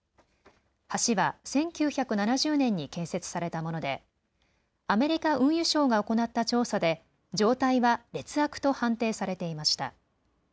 橋は１９７０年に建設されたものでアメリカ運輸省が行った調査で状態は劣悪と判定されていました。